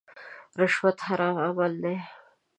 رشوت حرام عمل دی.